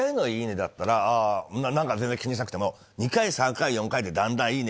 だったら全然気にしなくても２回３回４回ってだんだん「いいね」